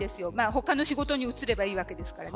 他の仕事に移ればいいわけですから。